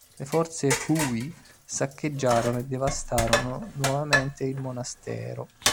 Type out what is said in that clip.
Le forze Hui saccheggiarono e devastarono nuovamente il monastero.